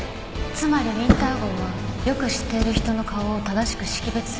つまりウィンター号はよく知っている人の顔を正しく識別する事ができるの。